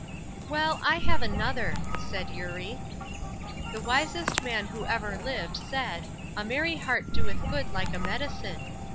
"Well, I have another," said Eurie. "The wisest man who ever lived said, 'A merry heart doeth good like a medicine.'